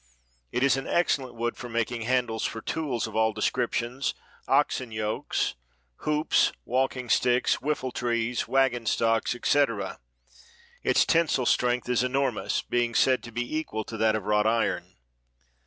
It is an excellent wood for making handles for tools of all descriptions, oxen yokes, hoops, walking sticks, whiffletrees, wagon stocks, etc. Its tensile strength is enormous, being said to be equal to that of wrought iron.